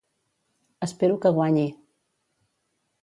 Espero que guanyi.